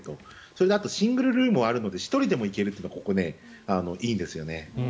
それでシングルルームもあるので１人で行けるというのもいいんですよね。